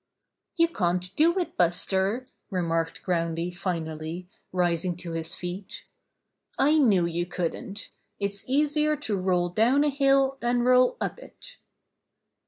"You can't do it, Buster," remarked Groundy finally, rising to his feet. "I knew you couldn't. It's easier to roll down a hill than roll up it."